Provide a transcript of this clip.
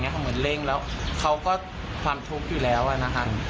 เขาเหมือนเร่งแล้วเขาก็ความทุกข์อยู่แล้วนะคะ